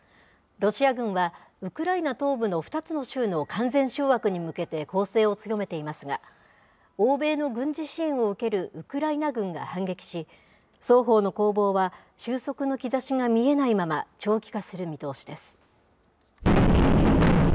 ロシア軍はウクライナ東部の２つの州の完全掌握に向けて攻勢を強めていますが、欧米の軍事支援を受けるウクライナ軍が反撃し、双方の攻防は収束の兆しが見えないまま、長期化する見通しです。